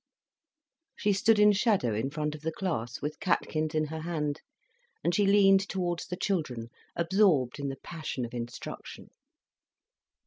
She stood in shadow in front of the class, with catkins in her hand, and she leaned towards the children, absorbed in the passion of instruction.